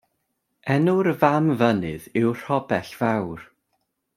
Enw'r fam fynydd yw Rhobell Fawr.